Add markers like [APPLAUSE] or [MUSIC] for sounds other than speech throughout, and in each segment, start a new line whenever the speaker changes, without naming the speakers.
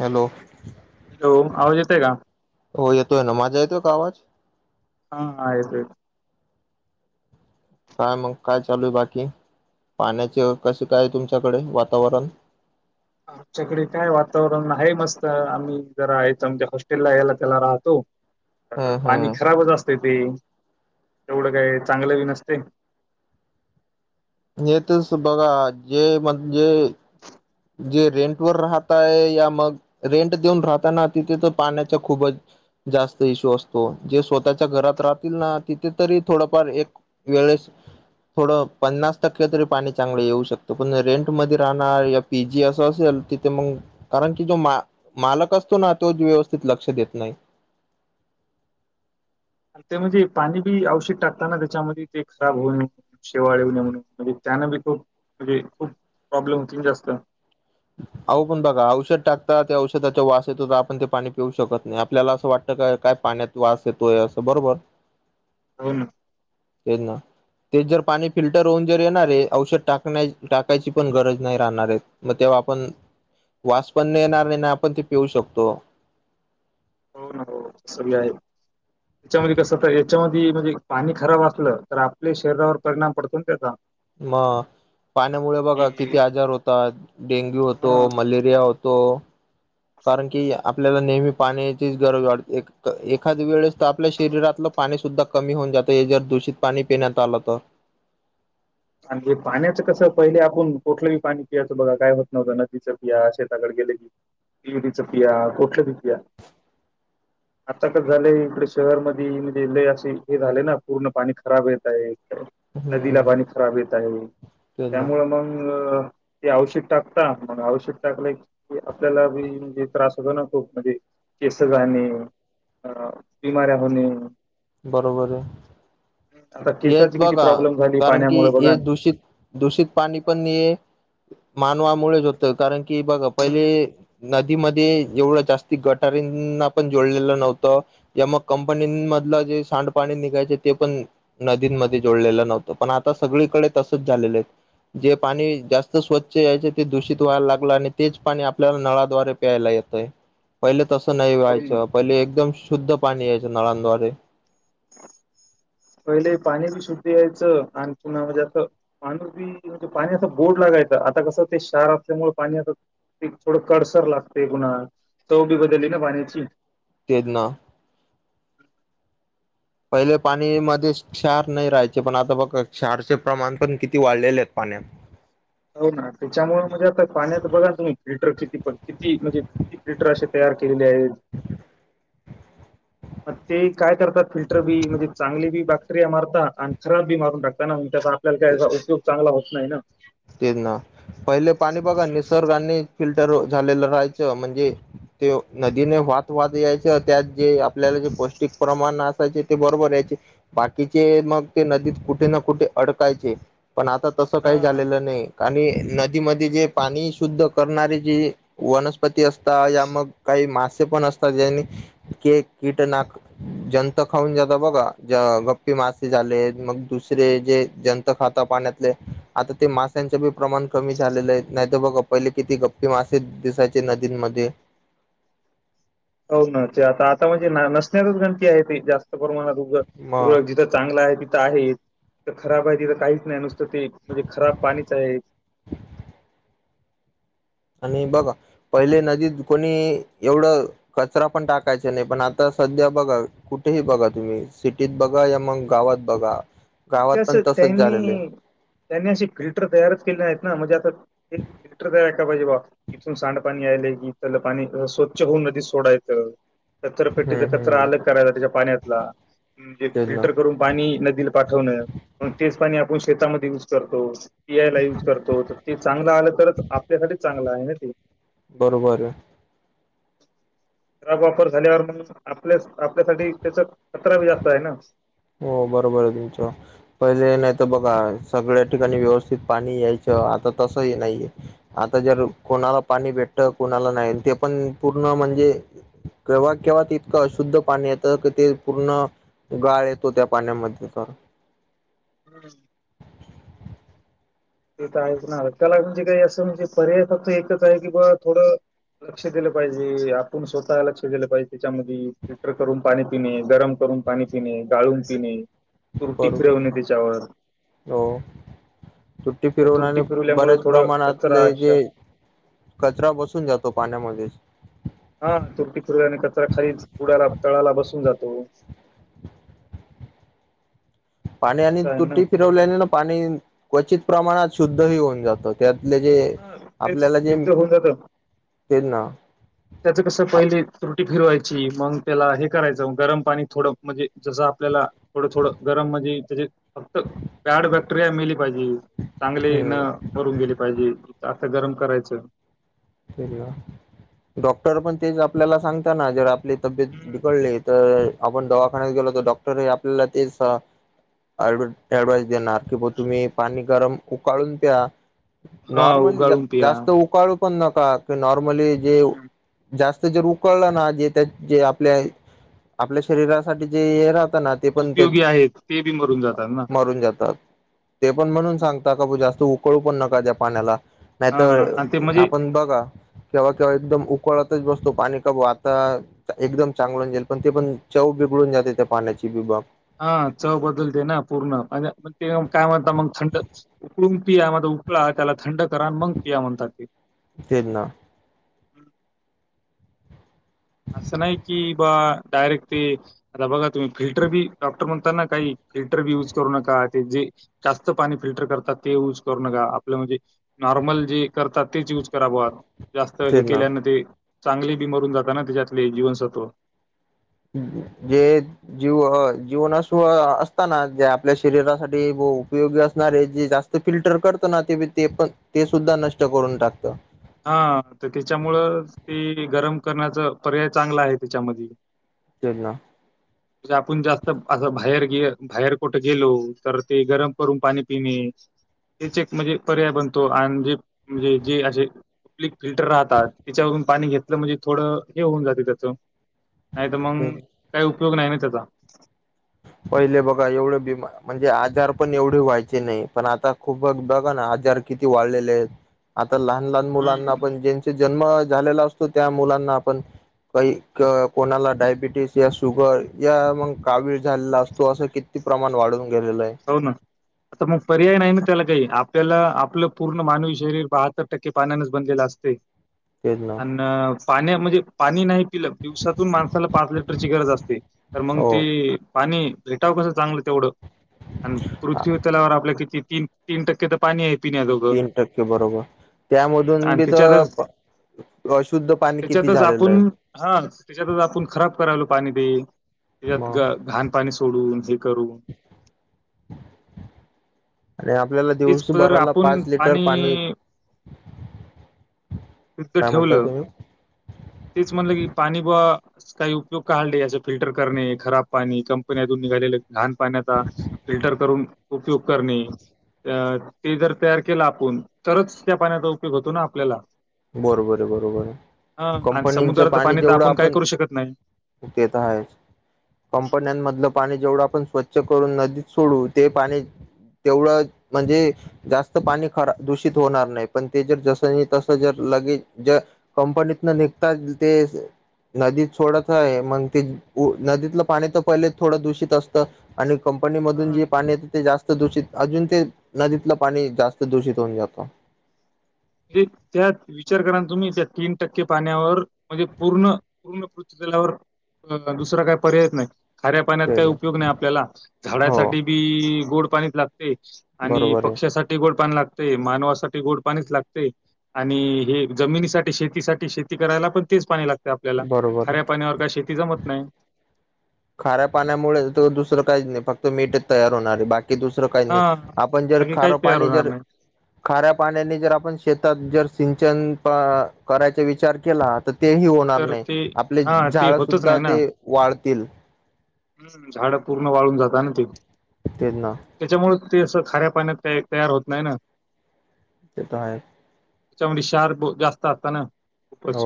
Hello
hello आवाज येते का
हो येतोय न माजा येतो का आवाज
हा आयतयत
काय मग काय चालू आहे बाकी पाण्याचे कसे काय तुमच्याकडे वातावरण
आमच्याकडे काय वातावरण आहे मस्त आम्ही जरा याच म्हणजे हॉस्टेलला यायला त्याला राहतो तर
हम्म
पाणी
हम्म
खराबच असते ते तेवढं काय चांगलं बी नसते
येतच बघा जे म्हणजे जे रेंट वर राहतय या मग रेंट देऊन राहताना तिथे तर पाण्याच्या खूपच जास्त इशू असतो जे स्वतःच्या घरात राहतील ना तिथे तरी थोडफार एक वे थोड पन्नास टक्के तरी पाणी चांगलं येऊ शकतं पण रेंट म राहणार पी जी असं असेल तिथे मग कारण की जो मा मालक असतो ना तो व्यवस्थित लक्ष देत नाही
ते म्हणजे पाणी बी अवशक टाकताना त्याच्यामध्ये ते खराब होऊ न म्हण शेवाळ येऊ ने म्हणून म्हणजे त्यान बी खूप म्हणजे खूप प्रॉब्लेम होती जास्त
हम अहो पण बघा औषध टाकता त्या औषधाच्या वास येतो तर आपण ते पाणी पिऊ शकत नाही आपल्याला असं वाटतं काय काय पाण्यात वास येतोय असं बरोबर
हो ना
ये ना ते जर पाणी फिल्टर होऊन जर येणारे औषध टाकण्या टाकायची पण गरज नाही राहणारे मग ते आपण वास पण येणार नाही ना आपण ते पिऊ शकतो
हो ना हो सग आहे त्याच्यामध्ये कस तर याच्यामध्ये म्हणजे पाणी खराब असलं तर आपल्या शरीरावर परिणाम पडतो ना त्याचा
म पाण्यामुळे बघा
कि
किती आजार होतात डेंग्यू होतो
हा
मलेरिया होतो कारण की आपल्याला नेहमी पाण्याचीच गरज वाटते एखाद वेळेस तर आपल्या शरीरातलं पाणी सुद्धा कमी होऊन जात हे जर दूषित पाणी पिण्यात आलं तर
आणि हे पाण्याचं कस पहिले आपण कुठलंही पाणी पियायचं बघा काय होत नव्हतं नदीचं पिया शेताकड ग चपिया पक्ष दीतया आता कस झालंय इकडे शहर म लय असे हे झाले ना पूर्ण पाणी खराब येत आहे नदीला
हम्म
पाणी खराब येत आहे
तेच ना
त्यामुळे मग ते औषध टाकता मग औषक टाकलं क आपल्यालाी म्हणजे त्रास होतो ना खूप म्हणजे केस जाणे अ बिमाऱ्या होणे
बरोबर आहे
आता
हेच
केसाची किती
बघा
प्रॉब्लेम झाली
कारण की
पाण्यामुळे बघा
हे
ना.
दूषित दूषित पाणी पण मानवामुळेच होतं कारण कि बघा पहिले
हम्म,
नदीमध्ये एवढं जास्ती गटारना पण जोडलेलं नव्हतं या मग कंपनीमध्ये जे सांड पाणी निघायचे ते पण नदीमध्ये जोडलेलं नव्हतं पण आता सगळीकडे तसच झा ब जे पाणी जास्त स्वच्छ यायचे ते दूषित व्हायला लागलं आणि तेच पाणी आपल्याला नळाद्वारे प्यायला लागल य पहिले तसं नाही
हो ना.
व्हायचं पहिले एकदम शुद्ध पाणी यायचं नळांद््वारे
पहिले पाणी बी शुद्ध यायचं आणि पुन म्हणजे आ माणू बी म्हणजे पाण्या बोर्ड लागाय आता क एक थोडं कडसर लागते पुन्हा चव बी बदली ना पाण्याची
तेजना पहिले पाणी मध्ये क्षार नाही राहायचे पण आता बघ क्षारचे प्रमाण पण किती वाढलेले आहेत पाणी न्यात
हो ना त्याच्यामुमुळे म्हणजे आता पाण्यातच बदल होईल फिल्टर किती पण किती म्हणजे किती फिल्टर असे तयार केलेली आहे
[UNINTELLIGIBLE]
मग ते काय करतात फिल्टर बी म्हणजे चांगली बी बॅक्टेरिया मारतात आणि खराब बी मारून टाकताना म्ह त्या आपला का याचा उपयोग चांगला होत नाही ना
तेच ना पहिले पाणी बघा निसर्गाने फिल्टर झालेलं राहायचं म्हणजे ते नदीने वात वाात यायच त्यात जे आपल्याला जे पौष्टिक प्रमाण असायचे ते बरोबर याय बाकीचे मग ते नदीत कुठे ना कुठे अडकायचे पण आता तसं काही
हा
झालेलं नाही आणि नदीमध्ये जे पाणी शुद्ध करणारे जे वनस्पती असतात या मग काही मासे पण असतात ज्यांनी केक कीटनाक जंत खाऊन जात बघा गप्पी मासे झाले मग दुसर जे जंत खात पाण्यातले आता ते मा प्रमाण कमी झालेलं आहे नाही तर बघा पहिले किती गप्पी मासे दिसायचे नदींमध्ये [INAUDIBLE]
हो ना ते आता आता म्हणजे नसणारच गणती आहे ती जास्त
मग
जिथं चांगलं आहे आहे खराब आहे तथ काहीच नाही नुसतं ते म्हणजे खराब पाणीच आहे
[INAUDIBLE] आणि बघ पहिले नदीत कोणी एवढं कचरा पण टाकायचा नाही पण आता स ्या बघा कुठेही बघा तुम्ही सिटीत बघा या मग गावात बघा गावात
म्हणजे
पण
असं
तसच झालेले आहे
त्यांनी त्यांनी असे फिल्टर तयारच केले नाही आहेत ना म्हणजे आता ते फिल्टर तयार का पाहिजे बा इथून सांडपाणी आहे क त्या पाणी स्वच्छ होऊन न सोडायचं कचरा पेट्टीचा
हम्म
कचरा
हम्म
अलग करायचा त्याच्या पाण्यातला म्हणजे
तेच ना
फिल्टर करून पाणी नदीला पा ग तेच पाणी आपण शेतामध्ये युज करतो पी आय ला युज करतो ते चांगलं आलं तरच आपल्यासाठीच चांगलं आहे ना ते
बरोबर
खराब वापर झाल्यावर म्हणून आपल्या आपल्यासाठी त्याचा कचरा जास्त आहे ना
हो बरोबर आहे तुमच पहिले नाही तर बघा सगळ्या ठिकाणी व्यवस्थित पाणी यायच आता तसही नाही आता जर कोणाला पाणी भेटत कोणाला नाही ते पण पूर्ण म्हणजे केव्हा केव्हा ततकं अशुद्ध पाणी येत क ते पूर्ण गाळ येत तो त्या पाण्यामध्ये तर
ब ते तर ऐकणार त्याला म्हणजे काही असं म्हणजे पर्याय फक्त एकच आहे की बा थोडं लक्ष दिलं पाहिजे आपण स्वतः लक्ष दिलं पाहिजे त्याच्यामध्ये फिल्टर करून पाणी पिणे गरम कर करून पाणी पिणे गाळून पिणे तूरुटी
बरोबर आहे.
फिरवून तच्यावर
फिरोनाने बऱ्याच प्रमाणातले जे कचरा बसून जातो पाण्यामध्ये
हा तुरटी फिरल्याने हो
पाणी आणि तुटी फिरवल्याने ना पाणी क्वचित प्रमाणात शुद्ध ह होऊन जातं त्यात आपले जे
हा तेच
आपल्याला जे
शुद्ध होऊन जातं
ते ना
त्याचं कसं पहिली त्रुटि फिरवायची मग त्याला हे करायचं गरम पाणी थोड म्हणजे जस आपल्याला थोडं थोडं गरम म्हण त्या फक्त बॅड फॅक्टरी मेली पाहिजे चांगले न
हम्म
करून गेले पाहिजे आता गरम करायचं
डॉक्टर पण तेच आपल्याला सांगतना जर आपली तब्येत
हम्म
बिघडली तर आपण दवाखान्यात गेलो तर डॉक्टर आपल्याला ते ऍडवाइस देणार क ब
हम्म
तुम्ही पाणी गरम उकाळून प्या
हा
नॉर्मल
उगाळून पिया
जास्त उकाळून नॉर्मली
हम्म.
जेत जे उकळलं ना जे जे आपल्या आपल्या शरीरासाठी जे राह ते पण ते
उपयोगी आहेत ते बी मरून जातात ना
मारून जातात ते पण म्हणून
हम्म.
सांगता का बू जास्त उकळू पण नका त्या पाण्याला
हा
नाहीतर
आणि ते म्हणजे
आपण बघा केव्हा केव्हा एकदम कळातच बसतो पाणी काबू आता एकदम चांगलं जाईल पण ते पण चव बिघडून जाते त्या पाण्याची बि बाब
हा चव बदलते ना पूर्ण ते काय म्हणता मग थंड उकळून पिया म चकला त्याला थंड करा मग पिया म्हणतात ते
तेल ना
हम् असं नाही की बा डायरेक्ट ते आता बघा तुम्ही फिल्टर बी डॉक्टर म्हणता ना काही फिल्टर बी यूज करू नका ते जे जास्त पाणी फिल्टर करतात ते यऊज करू नका आपलं म्हणजे नॉर्मल जे करतात तेच युज करात जास्त हे
तेच ना
केल्यान ते चांगले बी मरून जाताना त्याच्यातले जीवनसत्व
जे जीव जीवनास असताना ज आपल्या शरीरासाठी उपयोगी असणारे जे जास्त फिल्टर करतो ना ते ते पण ते सुद्धा नष्ट करून टाकत
हा तर त्याच्यामुळं ते गरम करण्याचा पर्याय चांगला आहे त्याच्यामध्ये
च ना
म्हे आपण जास्त असं बाहेर गे बाहेर कुठे गेलो तर ते गरम करून पाणी पिणे तेच एक म्हणजे पर्याय बनतो आणि जे म्हणजे जे असे आप्लिक फिल्टर राहतात त्याच्यावरून पाणी घेतलं म्हणजे थोडं हे होऊन जाते त्याच नाही तर मग
तेच
काही उपयोग नाही ना त्याचा
पहिले बघा एवढे बी म्हणजे आजार पण एवढे व्हायचे नाही पण आता खूप बघा ना क वा आ ल ल
हम्म.
मुलांनाण ज जन्म झालेला असतो त्या मुलांना आपण काही कोणाला डायबिटीस या शुगर या मग कावीळ झा असतो असं किती प्रमाण वाढून गेलेलं आहे
हो ना आता मग पर्याय नाही मला का आपल्याला आपलं पूर्ण मानवी शरीर बहात्तर टक्के पानानच बनलेलं असते
ते
पाण्या म्हणजे पाणी नाही पिलं दिवसातून माणसाला पाच लिटरची गरज असते तर मग
हो
ते पाणी भेटावं कसं चांगलं तेवढं आणि पृथ्वी तलावर आपल्या किती तीन तीन टक्के तर पाणी आहे पिण्या जोग
तीन टक्के बरोबर
हम्
त्यामधून
आणि
बी
त्यांच्यावरच
तर अशुद्ध पाणी किती
त्याच्यातच
झालेलं
आपण
आहे
हा त्याच्यातच आपण खराब करायलो पाणी
मग
त्याच्यात घाण पाणी सोडून हे करून
[INAUDIBLE] आणि आपल्याला
तेच जर
दिवसभराला
आपण
पाच लिटर पाणी
युद्ध
काय म्हणताय
ठेवलं
तुम्ही
तेच म्हणलं की पाणी काही उपयोग का या फिल्टर करणे खराब पाणी कंपनीतून निघालेले घाण पाण्याचा फिल्टर करून उपयोग करणे ते जर तयार केलं आपण तरच त्या पाण्या उपयोग होतो ना आपल्याला
बरोबर आहे बरोबर
ह
आहे
आणि
कंपनीचं
समुद्राचं
पाणी
तर
जेवढं
काय
आपण
करू शकत नाही.
ते तर आहेच कंपन्यांमधलं पाणी जेवढं आपण स्वच्छ करून नदीत सोडू ते पाणी तेवढं म्हणजे जास्त पाणी दूषित होणार नाही पण ते जर जसं त र लगेच कंपनीतन निघतात ते नदी थोडच आहे मग ते नदीतलं पाणी तर पहिले थोडं दूषित असतं आणि कंपनी मधून
हम्म.
जे पाणी येतं ते जास्त दूषित अजून ते नदीतलं पाणी जास्त दूषित होऊन जातं.
म्हण त्यात विचार करा तुम्ही त्या तीन टक्के पाण्यावर म्हणजे पूर्ण पूर्ण पृथ्वी दुसरा काय पर्यायच नाही खाऱ्या पाण्यात काही उपयोग नाही आपल्याला
हो
झाडासाठी बी गोड पाणीच लागतं. आणि
बरोबर आहे
पक्ष्यासाठी गोड पाणी लागते मानवासाठी गोड पाणीच लागते. आणि हे जमिनीसाठी शेतीसाठी शेती करायला पण तेच पाणी लागत आपल्याला
बरोबर आहे.
खाऱ्या पाण्यावर काय शेती जमत नाही.
खाऱ्या पाण्यामुळे तर दुसरं काहीच नाही फक्त मीठच तयार होणार आहे बाकी की दुसरं काही नाही
हा
आपण जर
बाकी
खारं
काहीच तयार
पाणी
होणार
जर
नाही.
खाऱ्या पाण्याने जर आपण शेतात जर सिंचन करायचा विचार केला. तर ते ह होणार
तर
नाही
ते
आपले
हा ते
झाडं
होतच
सुद्धा
नाही ना.
ते वाळतील.
हम्म झाडं पूर्ण वाळून जाता ना ते
तेच नां.
त्याच्यामुळे ते असं खाऱ्या पाण्यात काय तयार होत नाही ना.
तेेच तर आहेच.
त्याच्याव क्षार जास्त आसता ना.
हो.
खूपच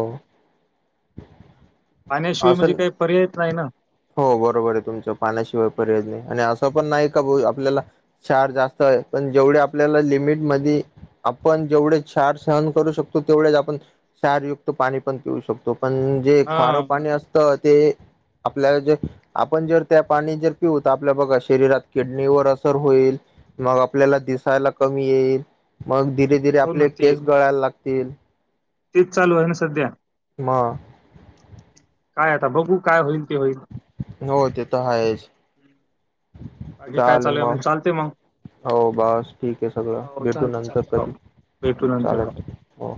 पाण्याशिय म्हणजे
असं
काही पर्यायच नाही ना.
हो बरोबरे तुमचं पाण्याशिवाय पर्यायच
हम्म.
नाही आणि असं पण नाही का भो आपल्याला क्षार जास्त आहे पण जेवढ्या आपल्याला लिमिट मधी आपण जेवढेच क्षार सहन करू शकतो तेवढेचंआपण क्षारयुक्त पाणी पण पिऊ शकतो. पण जे
हा
खारं पाणी असतं ते. आपल्या जे आपण जर त्या पाणी जर पिऊ त आपल्या बघा शरीरात किडनीवर असर होईल. मग आपल्याला दिसायला कमी येईल मग धी धीरे धीरे
हो ना
आपले
ते
केस गळायला लागतील.
तेच चालूये ना सध्या.
म.
काय आता बघू काय होईल ते होईल.
हो ते तर आहेच.
हम्म. बाकी काय चालूय मग चालते मग.
हो बस ठीके सगळं
हो
भेटू
चालते
नंतर
चालते. हो
कधी.
भेटू नंतर हो.
चालेल हो.